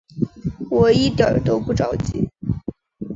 我一点都不着急